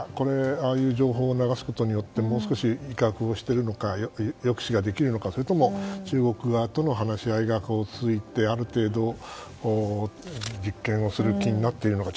ああいう情報を流すことでもう少し、威嚇しているのか抑止ができているのかそれとも中国側との話し合いが続いてある程度実験をする気になっているのか